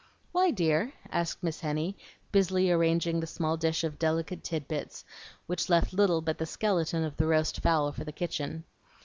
"Why, dear?" asked Miss Henny, busily arranging the small dish of delicate tidbits, which left little but the skeleton of the roast fowl for the kitchen.